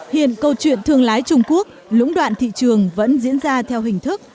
hiện câu chuyện thương lái trung quốc lũng đoạn thị trường vẫn diễn ra theo hình thức